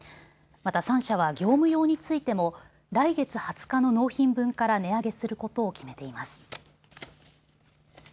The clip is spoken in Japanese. また３社は業務用についても来月２０日の納品分から値上げすることを決めています。